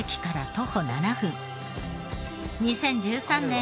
２０１３年